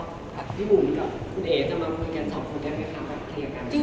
พี่บุ๋มกับคุณเอ๋จะมาคุยกันเทียงการไงคะ